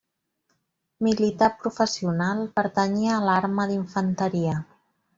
Militar professional, pertanyia a l'arma d'infanteria.